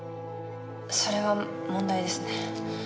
それは問題ですね。